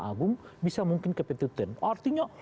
agung bisa mungkin ke petuten artinya